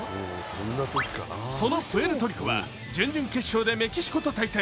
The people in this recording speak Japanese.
そのプエルトリコは準々決勝でメキシコで対戦。